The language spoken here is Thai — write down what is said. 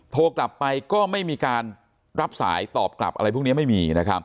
โทรกลับไปก็ไม่มีการรับสายตอบกลับอะไรพวกนี้ไม่มี